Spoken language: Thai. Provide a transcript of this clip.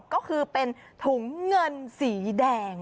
ก็คือเป็นถุงเงินสีแดง